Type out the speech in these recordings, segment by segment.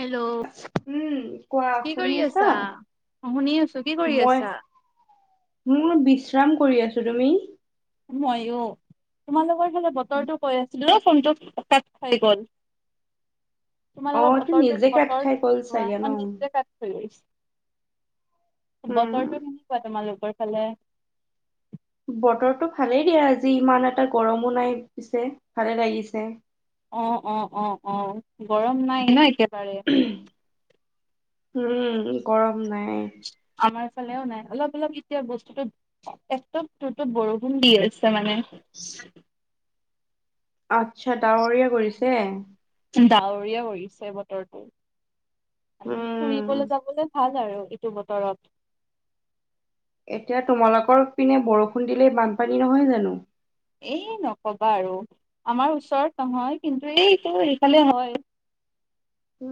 Hello উম কোৱা কি কৰি শুনি আছা শুনি আছো কি কৰি মই আছা? মোৰ বিশ্ৰাম কৰি আছোঁ‌ তুমি মই অ' তোমালোকৰ ফালে বতৰটো কৈ আছে। ফোনটো কাট খাই গ'ল। তোমাৰ লগত অ', তো বতৰ নিজে কাট বতৰ খাই গ'ল কেনেকুৱা চাগে ন? মই নিজে ক থ আহছো। [inaudible] উম, বতৰটো কেনেকুৱা তোমালোক সেইফালে বতৰটো ভালেই দিয়া আজি ইমান এটা গৰমো নাই পিছে ভালে লাগিছে। অ' অ' অ' অ' গৰম নাই ন এতিয়া ফালে উম গৰম নাই। আমাৰ ফালেও নাই অলপ অলপ এতিয়া বস্তুটো একপ দুপ বৰষুণ দি আছে মানে আচ্ছা ডাৱৰীয়া কৰিছে। ডাৱৰীয়া পৰিছে বতৰটো। উম, ফুুৰিবলে যাবলে ভাল আৰু এইটো বতৰত এতিয়া তোমালোকৰ পিনে বৰষুণ দিলেই বানপানী নহয় জানো। এই নক'বা আৰু আমাৰ ওচৰত নহয় কিন্তু এইটো এইফালে হয়। উ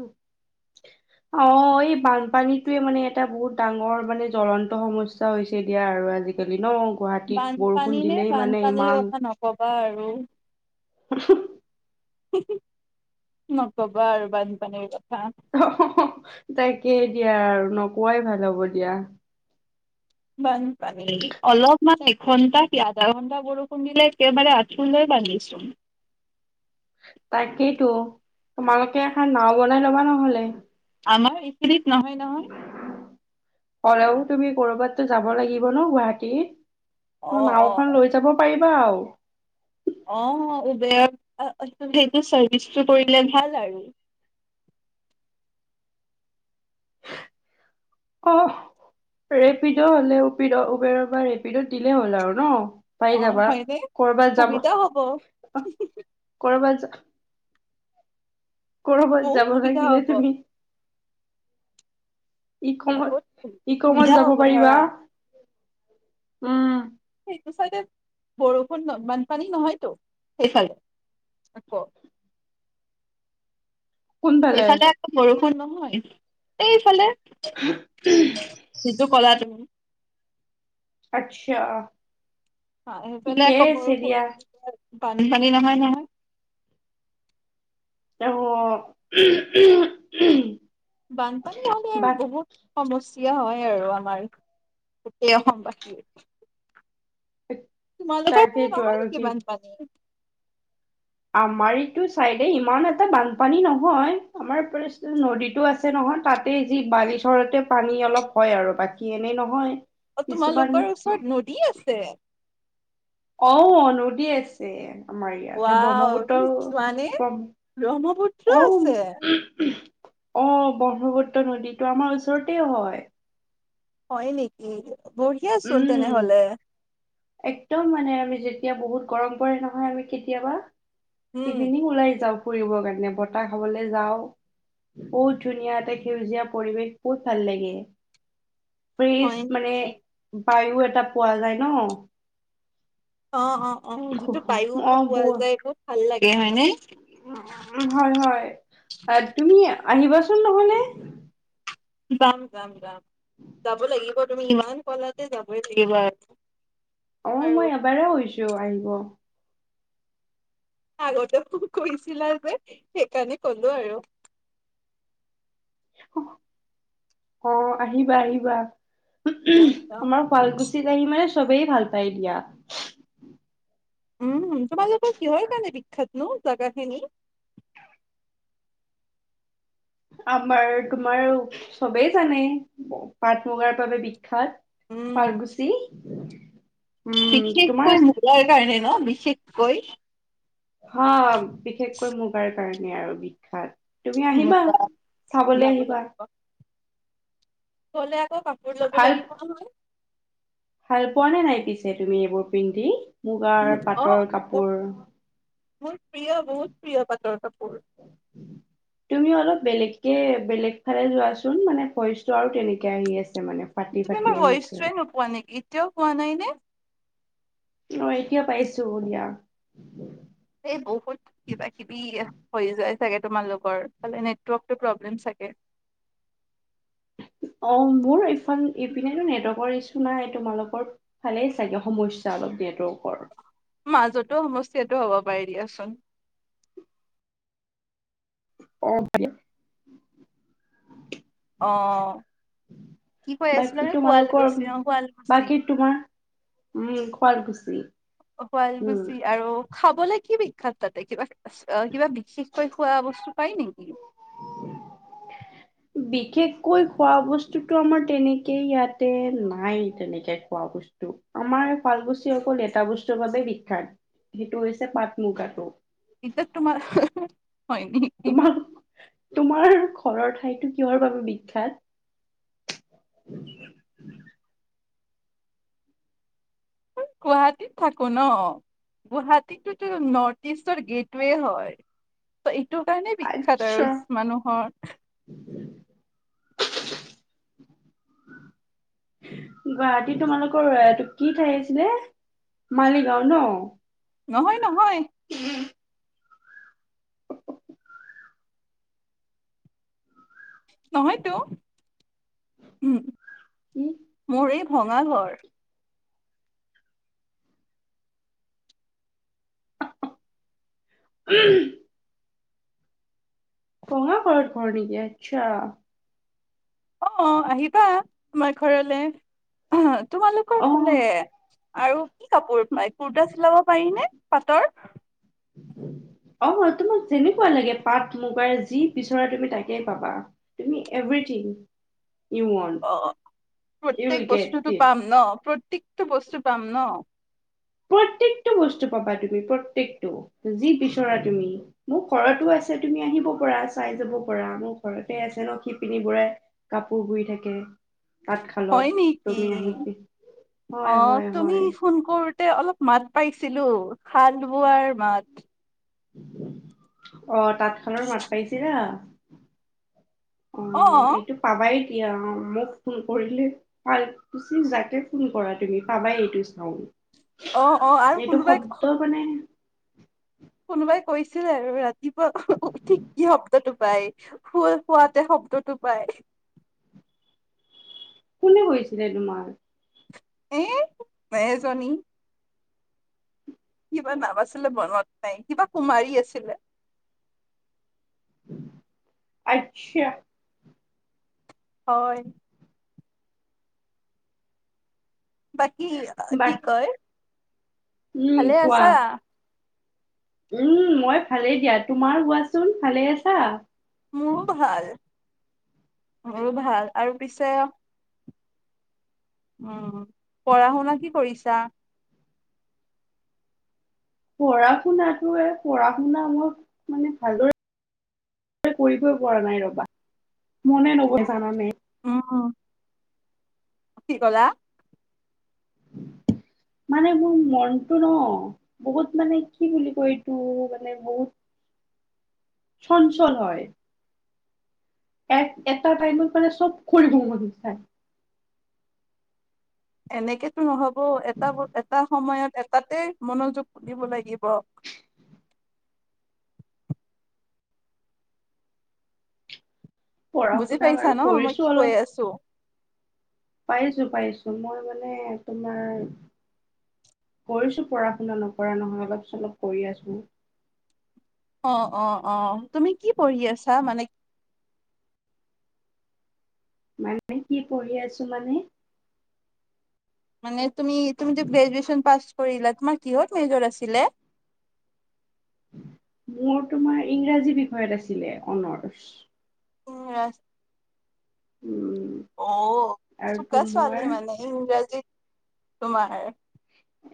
অ এই বানপানীতয়ে মানে এটা বহুত ডাঙৰ মানে জলন্ত সমস্যা হৈছে এতিয়া আৰু আজিকালি ন গুৱাহাটীত বৰষুণ বানপানী নে দিলেই মানে বানপানীৰ কথা নক'বা আৰু উম উম হ নকবা আৰু বানপানী‌ কথা হ তাই তাকেহে দিয়া আৰু নকোৱাই ভাল হ'ব দিয়া। বানপানী অলপমান এঘন্টা কি আধা ঘন্টা বৰষুণ দিলে একেবাৰে আঁঠু লৈ পানীছো তাকেইতো তোমালোকে এখন নাও বনাই লবা নহ'লে। আমাৰ এইখিনিত নহয় নহয়। হ'লেও তুমি কৰবাত টো যাব লাগিব ন গুৱাহাটী। অ ত অ নাওখন লৈ যাব পাৰিম। বাও। অ উবেৰ সেইটো চাৰ্ভিচটো কৰিলে ভাল আৰু। অ ৰেপিড' হলেও উবেৰৰ বা ৰেপিড'ত দিলেই হ'ল আৰু ন। অ পাই যাবা, হয়নে কৰবাত যাব সুবিধা হ'ব কৰবাত যা কৰবাত বহুত যাব সুবিধা হ'ব লাগিলে তুমি ই খনত বহুত ই কঙত সুবিধা যাব হ'ব পাৰিবা। ধৰা উম। সেইটো চাইডে বৰষুণ বানপানী নহয়টো সেইফালে আকৌ। কোনফালে সেইফালে আকৌ বৰ নহয়, এইফালে। সেইটো কলা [inaudible] আচ্ছা। অ সেইফালে ঠিকেই আকৌ আছে বৰষুণ দিয়া [unintelligible] পানী চানী নহয় নহয়। অ উমহঁ উমহ। বানপানী হলে আৰু বহুত সমস্যা য়া হয় আৰু আমাৰ গোটেই অসমবাসীৰ। তোমালোকৰ ফালে তাকেইতো নহয় আৰু নেকি কি বানপানী? আমাৰ এইটো চাইডে ইমান এটা বানপানী নহয়, আমাৰ নদীতটো আছে নহয় তাতে যি বালিচৰতে পানী অলপ হয় আৰু বাকী এনেই নহয়। অ কিছুমান তোমালোকৰ ওচৰত নদী আছে? অ নদী আছে। আমাৰ ইয়াতে ৱাও তুমি যোৱানে ব্ৰহ্মপুত্ৰ ব্ৰহ্মপুত্ৰ অ। আছে অ ব্ৰহ্মপুত্ৰ নদীটো আমাৰ ওচৰতে হয়। হয় নেকি? বঢ়িয়াচোন উম তেনেহলে একদম মানে আমি যে তিয়া বহুত গৰম পৰে নহয় আমি কেতিয়াবা উম ইভিনিং ওলাই যাওঁ। ফুৰিবৰ কাৰণে বতাহ খাবলৈ যাও, বহুত ধুনীয়া এটা সেউজীয়া পৰিৱেশ বহুত ভাল লাগে। ফ্ৰিজ হয় মানে নেকি বায়ু এটা পোৱা যায় ন। অ অ অ যিটো বায়ুটো অ পোৱা বল যায় খুব ভাল লাগে। হয়নে হয় হয় তুমি আহিবাচোন নহয়নে যাম যাম যাম যাব লাগিব। তুমি ইমান কলা যে যাব লাগিব। অ আৰু মই এবাৰে হৈছো আহিব আগতে কৈছিলা যে সেইকাৰণে কলো আৰু অ আহিবা আহিবা। উ যাম যাম আমাৰ শুৱালকুছিত আহি মানে চবেই ভাল পায় দিয়া। উম হম তোমাৰ লোকৰ কিহৰ কাৰণে বিখ্যাতনো জাগাখিনি আমাৰ তোমাৰ চবেই জানে পাট মুগাৰ বাবে বিখ্যাত। উম ফাৰগুচি বিশেষকৈ মূগাৰ কাৰণে ন বিশেষকৈ কৈ হ বিশেষকৈ মুগাৰ কাৰণে আৰু বিখ্যাত। তুমি আহিবা মুগা চাবলৈ আহিবা কলে আ কাপোৰ ল'ব ভাল লাগিব নহয়। ভাল পোৱা নে নাই পিছে তুমি এইবোৰ পিন্ধি। মুগাৰ উম অ পাটৰ মোৰ কাপোৰ মোৰ প্ৰিয় বহুত প্ৰিয় পাটৰ কাপোৰ বেলেগ বেলেগ ফালে যোৱাচোন মানে ভইচটো আৰু তেনেকে আহি আছে মানে ফাটি তুমি ফাটি মোৰ আহিছে। ভইচটোৱে নোপোৱা নেকি? এতিয়াও পোৱা নাইনে। অ এতিয়া পাইছো দিয়া। এই বহুত কিবা কিবি হৈ যায়। চাগে তোমালোক লোকৰ নেটৱৰ্ প্ৰব্লেম চাগে। অ মোৰ ইফ ইপিনেতো নেটৱৰ্কৰ ইছু নাই তোমালোকৰ ভালে চাগে সমস্যা অলপ নেটৱৰ্ক। মাজতো সমস্যাটো হ'ব পাৰে দিয়াচোন। অ হ'ব পাৰে। অ কি কৈ আছিল বাকী সেই পোৱাল তোমালোকৰ গৈছ অ শুৱালকুছি বাকী তোমাৰ উম, শুৱালকুছি। উম, শুৱালকুছি আৰু খাবলে কি বিখ্যাত তাতে কিবা কিবা বিশেষকৈ খোৱা বস্তু পাই নেকি? বিশেষকৈ খোৱা বস্তুতো আমাৰ তেনেকে ইয়াতে নাই তেনেকে খোৱা বস্তু। আমাৰ শুৱালকুছি অকল এটা বস্তুৰ বাবে বিখ্যাত সেইটো হৈছে পাট মুগাটো। এইটো তোমাৰ হয় নি তোমাৰ তোমাৰ ঘৰৰ ঠাইটো কিহৰ বাবে বিখ্যাত? [inaudible] গুৱাহাটীত থাকো ন গুৱাহাটীটো তোৰ নৰ্থ ইষ্টৰ গেটৱে হয়। এইটো কাৰণে বিখ্যাত আৰু আচ্ছা, মানুহৰ। গুৱাহাটী তোমালোকৰ এইটো কি ঠাই আছিলে মালিগাঁও ন নহয় নহয়। নহয়তো। উম মোৰ এই ভঙা ঘৰ। উম। কঙাঘৰত ঘৰ নেকি আচ্ছা। অ আহিবা আমাৰ ঘৰলে অহ্ তোমালোকৰ অ ফালে আৰু কি কাপোৰ পায় কুৰ্তা চিলাব পাৰি নে পাটৰ? অ তোমাক যেনেকুৱা লাগে পাট মুগাৰ যি বিচৰা তুমি তাকে পাবা তুমি এভ্ৰিথিং অ উইল প্ৰত্যেক গেট বস্তুতো ইট পাম ন প্ৰত্যেক টো বস্তু পাম ন? প্ৰত্যেকটো বস্তু পাবা তুমি প্ৰত্যেকটো যি বিচৰা তুমি মোৰ ঘৰতো আছে তুমি আহিব পৰা চাই যাব পাৰা মোৰ ঘৰতে আছে ন শিপিনি বোৰে কাপোৰ বৈ থাকে তাঁতশালত হয় নেকি তুমি আহি হয় অ হয় তুমি হয় ফোন কৰো তে অলপ মাত পাইছিলো শাল বোৱাৰ মাত। অ তাঁতশালৰ মাত পাইছিলা? অ এইটো পাবাই এতিয়া মোক ফোন কৰিলে শুৱালকুছিত যাকে ফোন কৰা তুমি পাবাই এইটো চাওন্ড। অ অ আৰু কোনোবাই মানে কোনোবাই কৈছিল আৰু ৰাতি তি বৰ ঠিক কি শব্দটো? পাই শো শোৱাতে শব্দটো পায়। কোনে কৈছিলে তোমাৰ? এ মেজনী কিবা নাম আছিলে মনত নাই কিবা কুমাৰী আছিলে। আচ্ছা হয় বাকী বা কি কয় উম ভালে কোৱা আছা উম মই ভালেই দিয়া তোমাৰ কোৱাচোন ভালে আছা‌? মোৰো ভাল মোৰ ভাল আৰু পিছে উম পঢ়া শুনা কি কৰিছা? পঢ়া শুনাটোে পঢ়া শুনা মই মানে ভালদৰে কৰিবই পৰা নাই ৰবা মনে নবহে যান নে উম কি কলা‌‌? মানে মোৰ মনটো ন বহুত মানে কি বুলি কয় এইটো মানে বহুত চঞ্চল হয়। এক এটা টাইমত মানে চব খৰি মাই এনেকেতো নহব এটা এটা সময়ত এটাতে মনোযোগ দিব লাগিব। পঢ়া বুজি শুনা পাইছা বাৰু ন মই কৰিছো কি কৈ অলপ আছো পাইছো পাইছো মই মানে তোমাৰ কৰিছো পঢ়া শুনা নকৰা নহয় অলপ অলপ কৰি আছো অ অ অ তুমি কি পঢ়ি আছা মানে মানে কি পঢ়ি আছো মানে মানে তুমি তুমিত গ্ৰেজুৱেচন পাছ কৰিলা তোমাৰ কিহত মেজৰ আছিলে? মোৰ তোমাৰ ইংৰাজী বিষয়ত আছিলে অনৰছ উ উম অ অ আৰু তোমাৰ চুকাছোৱালী মানে ইংৰাজীত। তোমাৰ?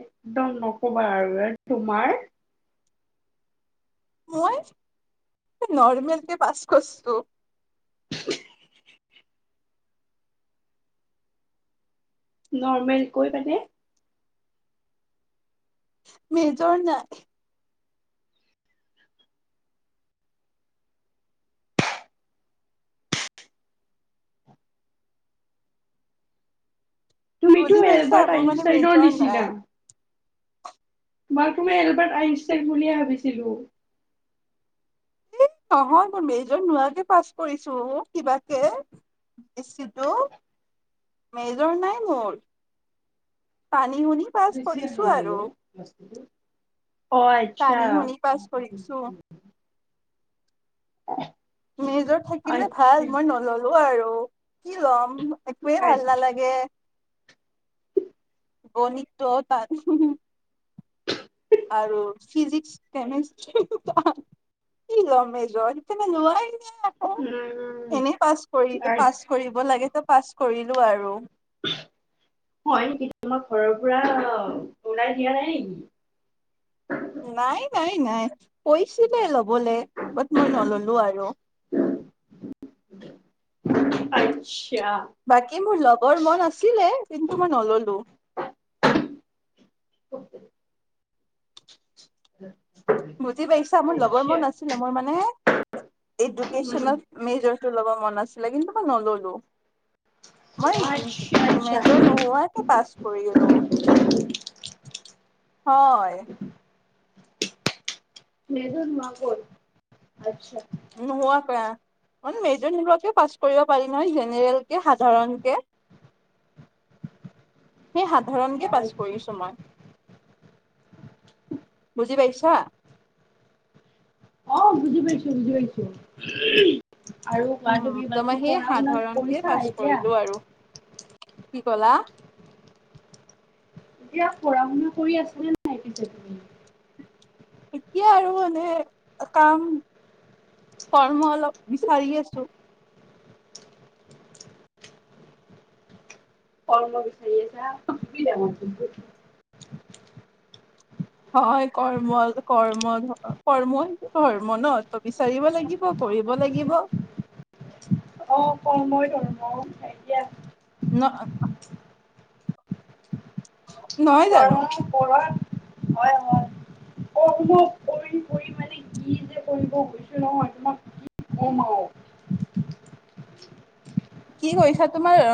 একদম নকবা আৰু তোমাৰ মই নৰ্মেল কে পাছ কৰিছো। নৰ্মেল কৈ মানে, মেজৰ নাই তুমিতো বুজি পাইছা এলবাৰ্ট মোৰ মানে আইনষ্টাইনৰ মেজৰ নাই নিচিনা মই তুমি এলবাৰ্ট আইনষ্টেক বুলিয়ে ভাবিছিলো। এ নহয় মোৰ মেজৰ নোৱাকে পাছ কৰিছো কিবাকে বে মেজৰ নাই মোৰ টানি মুনী অ আচ্ছা টানি শুনি পাছ কৰিছো অ মেজৰ থাকিলে ভাল মই নললো। হ আৰু কি ল'ম একোৱেই ভাল আচ্ছা নালাগে গণিতটো [unintelligible] আৰু ফিজিক্স কেমেষ্ট্ৰি কি ল'ম মেজৰ লোৱাই উম, এনেই পাছ কৰিব আৰ পাছ কৰিব লাগে। পাছ কৰিলো আৰু। হয় তোমাক ঘৰৰ পৰা ওলাই দিয়া নাই নেকি? নাই। নাই নাই কৈছিলে ল'বলে বাত মই নললো। আৰু আৰু [unintelligible] বাকী মোৰ লবৰ মন আছিলে কিন্তু মই নললো। [unintelligible] [unintelligible] বুজি পাইছা মোৰ লগৰ আচ্ছা, বোৰ আছিলে মোৰ মানে উম, এডুকেচনল মেজৰ। টো ল'ব মন আছিলে কিন্তু মই নললো। মই আচ্ছা, আচ্ছা। মেজৰ নোহোৱাকে পাছ কৰিলো হয়। মেজৰ নগল আচ্ছা। নোহোৱাকে মেজৰ নোলোৱাকে পাছ কৰিব পাৰি নহয় জেনেৰেল কে সাধাৰণ কে। সেই সাধাৰণকে পাছ কৰিছো মই বুজি পাইছ [unintelligible] অ বুজি পাইছো বুজি পাইছো। আৰু কোৱা উম তুমি ত মই বাকী সেই পঢ়া শুনা সাধাৰণকে কৰিছা পাছ এতিয়া? কৰিলো আৰু কি কলা? এতিয়া পঢ়া শুনা কৰি আছানে নাই পিছে তুমি? এতিয়া আৰু মানে কাম কৰ্ম অলপ বিচাৰি আছো। কৰ্ম বিচাৰি আছা [unintelligible] হয় কৰ্ম কৰ্ম কৰ্মটো ধৰ্ম ন ত বিচাৰিব লাগিব কৰিব লাগিব। অ কৰ্মই ধৰ্ম এতিয়া [unintelligible] নহয় জানো কৰ্ম কৰা হয় হয় কৰ্ম কৰি কৰি মানে কি যে কৰিব গৈছো নহয় তোমাক কি কম আৰু। কি কৰিছা তোমাৰ